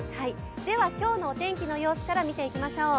では今日のお天気の様子から見ていきましょう。